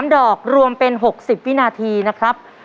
๓ดอกรวมเป็น๖๐วินาทีนะครับ